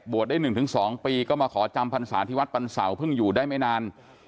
หลวดได้๑ถึง๒ปีก็มาขอจำพันศาทธิวัตต์ปันสาวพึ่งอยู่ได้ไม่นาน